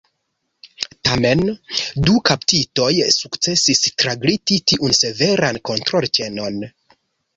Tamen du kaptitoj sukcesis tragliti tiun severan kontrolĉenon.